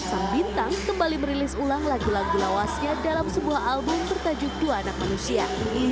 sang bintang kembali merilis ulang lagu lagu lawasnya dalam sebuah album bertajuk dua anak manusia